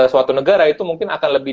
suatu negara itu mungkin akan lebih